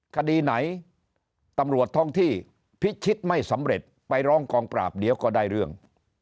คดีไหนตำรวจท้องที่พิชิตไม่สำเร็จไปร้องกองปราบเดี๋ยวก็ได้เรื่อง